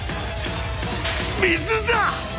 水だ！